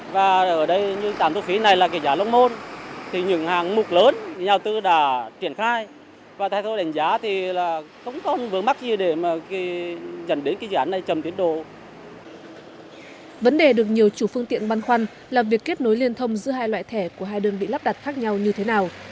vấn đề được nhiều chủ phương tiện băn khoăn là việc kết nối liên thông giữa hai loại thẻ của hai đơn vị lắp đặt khác nhau như thế nào